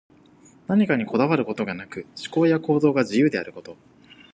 何かにこだわることがなく、思考や行動が自由であること。